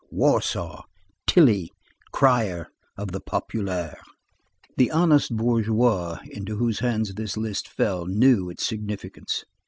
Warsaw. Tilly, crier of the Populaire. The honest bourgeois into whose hands this list fell knew its significance.